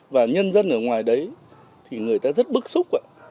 và nhân dân ở ngoài đấy thì người ta rất bức xúc